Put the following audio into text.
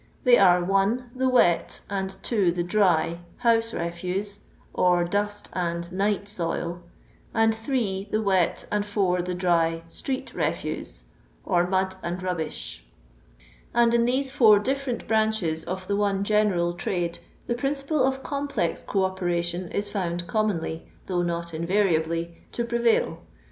There are,(l) the wet and (2) the dry AotMe Ssluse (or dust aid night soil), and (3) the wet and (4) the dry «frecr refuse (or mad and rubbish) ; and in these four different branches of the one general trade the principle of complex co operation is found commonly, though not invariably, to prevail.